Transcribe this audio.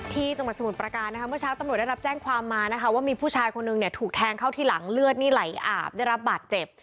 จังหวัดสมุทรประการนะคะเมื่อเช้าตำรวจได้รับแจ้งความมานะคะว่ามีผู้ชายคนนึงเนี่ยถูกแทงเข้าที่หลังเลือดนี่ไหลอาบได้รับบาดเจ็บ